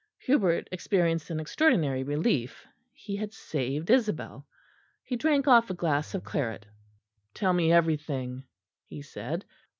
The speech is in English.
Hubert experienced an extraordinary relief. He had saved Isabel. He drank off a glass of claret. "Tell me everything," he said.